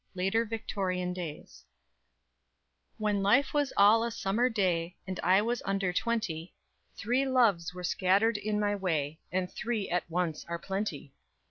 XI LATER VICTORIAN DAYS When life was all a summer day, And I was under twenty, Three loves were scattered in my way And three at once are plenty.